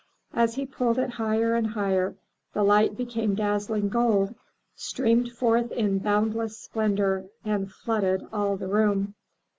As he pulled it higher and higher, the light became dazzling gold, streamed forth in boundless splendor and flooded all the room.